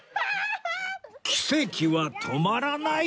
奇跡は止まらない！